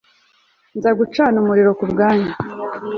Nzagucana umuriro kubwanyu